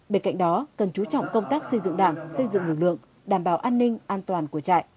bên cạnh đó cần chú trọng công tác xây dựng đảng xây dựng lực lượng đảm bảo an ninh an toàn của trại